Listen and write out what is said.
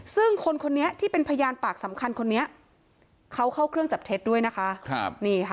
ซึ่งคนคนนี้ที่เป็นพยานปากสำคัญคนนี้เขาเข้าเครื่องจับเท็จด้วยนะคะ